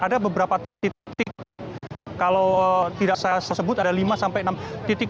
ada beberapa titik kalau tidak saya sebut ada lima sampai enam titik